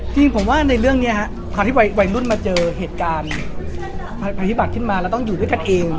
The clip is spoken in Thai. จริงผมว่าในเรื่องนี้ฮะการที่วัยรุ่นมาเจอเหตุการณ์ภัยพิบัตรขึ้นมาแล้วต้องอยู่ด้วยกันเอง